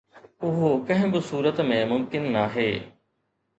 اهو ڪنهن به صورت ۾ ممڪن ناهي